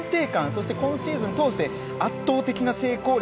そして今シーズンを通して圧倒的な成功率。